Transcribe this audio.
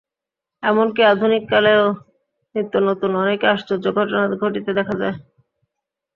এমন কি আধুনিককালেও নিত্য নূতন অনেক আশ্চর্য ঘটনা ঘটিতে দেখা যায়।